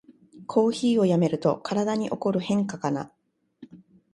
コーヒーをやめると体に起こる変化かな